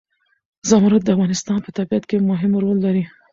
زمرد د افغانستان په طبیعت کې مهم رول لري.